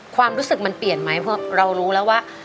ความรู้สึกมันเปลี่ยนไหมเพราะเรารู้แล้วว่า